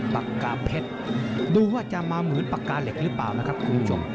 ปากกาเพชรดูว่าจะมาเหมือนปากกาเหล็กหรือเปล่านะครับคุณผู้ชม